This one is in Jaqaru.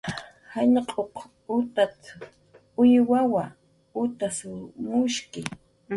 "Jallq'uq utat"" uywawa, utasw mushki."